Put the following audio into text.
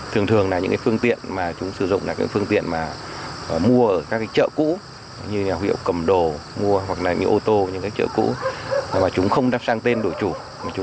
thường thường là những cái phương tiện mà chúng sử dụng là cái phương tiện mà mua ở các cái chợ cũ như là huyệu cầm đồ mua hoặc là những ô tô những cái chợ cũ mà chúng không đặt sang tên đổi chủ